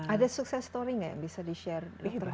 ada sukses story nggak yang bisa di share